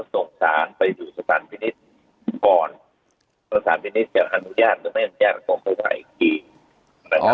ก็ต้องการไปดูสถานพินิษฐ์ก่อนสถานพินิษฐ์จะอนุญาตหรือไม่อนุญาตกลงไปไกล